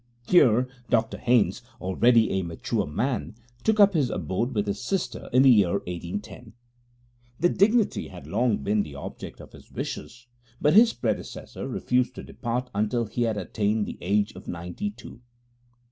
Here Dr Haynes, already a mature man, took up his abode with his sister in the year 1810. The dignity had long been the object of his wishes, but his predecessor refused to depart until he had attained the age of ninety two.